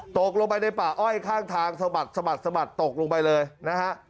ตกลงไปในป่าอ้อยข้างทางสะบัดสะบัดสะบัดตกลงไปเลยนะฮะ